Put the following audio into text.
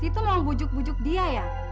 situ mau bujuk bujuk dia ya